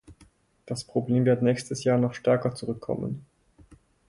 Das Problem wird nächstes Jahr noch stärker zurückkommen.